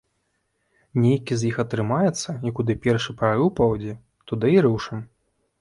Нейкі з іх атрымаецца, і куды першы прарыў пойдзе, туды і рушым.